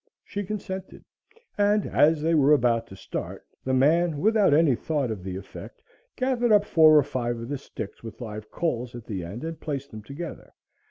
She consented, and as they were about to start, the man, without any thought of the effect, gathered up four or five of the sticks with live coals at the end and placed them together.